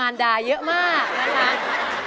ร้องได้ให้ร้อง